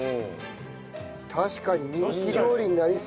確かに人気料理になりそう。